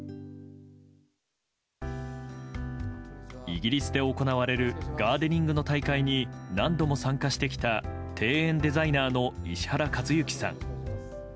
イギリスで行われるガーデニングの大会に何度も参加してきた庭園デザイナーの石原和幸さん。